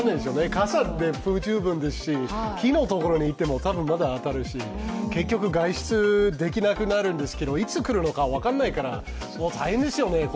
傘で不十分ですし、木のところに行っても多分、まだ当たるし結局、外出できなくなるんですけどいつ来るのか分からないから、この時期大変ですよね。